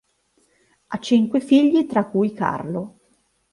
Ha cinque figli tra cui Carlo.